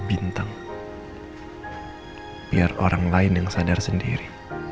bintang biar orang lain yang sadar sendiri